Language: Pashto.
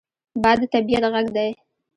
باد د طبعیت غږ دی